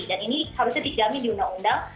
dan ini harusnya dijamin di undang undang